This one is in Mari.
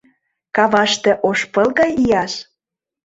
Каваште ош пыл гай ияш?